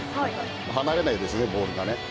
離れないですね、ボールが。